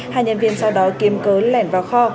hai nhân viên sau đó kiếm cớ lẻn vào kho